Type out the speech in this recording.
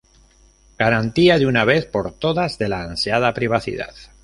garantía de una vez por todas, de la ansiada privacidad